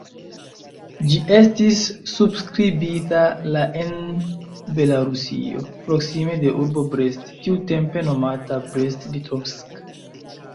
Ĝi estis subskribita la en Belarusio, proksime de urbo Brest, tiutempe nomata "Brest-Litovsk'".